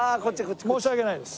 申し訳ないです。